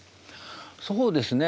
そうですね